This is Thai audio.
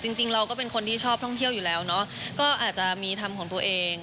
จริงเราก็เป็นคนที่ชอบท่องเที่ยวอยู่แล้วเนอะก็อาจจะมีธรรมของตัวเอง